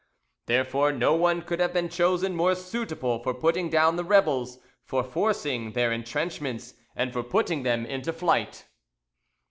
Therefore no one could have been chosen more suitable for putting down the rebels, for forcing their entrenchments, and for putting them to flight."